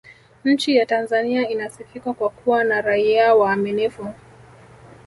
nchi ya tanzania inasifika kwa kuwa na raia waaminifu